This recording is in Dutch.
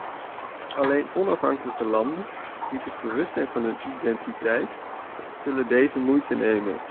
Alleen onafhankelijke landen, die zich bewust zijn van hun identiteit, zullen deze moeite nemen.